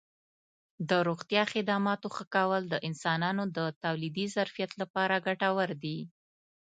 د روغتیا خدماتو ښه کول د انسانانو د تولیدي ظرفیت لپاره ګټور دي.